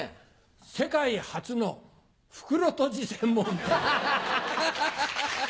世界初の袋とじ専門店。